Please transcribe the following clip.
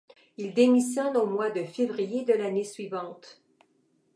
Il démissionne au mois de février de l’année suivante.